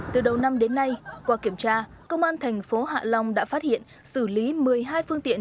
từ đầu năm đến nay qua kiểm tra công an thành phố hạ long đã phát hiện xử lý một mươi hai phương tiện